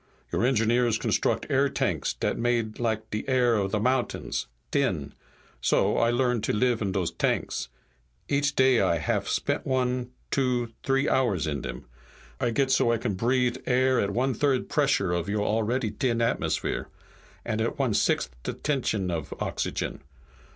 Your engineers construct air tanks dat make like de air of mountains, t'in. So, I learn to live in dose tanks. Each day I haf spent one, two, three hours in dem. I get so I can breathe air at one third the pressure of your already t'in atmosphere. And at one sixt' the tension of oxygen.